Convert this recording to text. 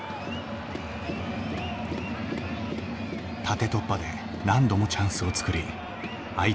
縦突破で何度もチャンスを作り相手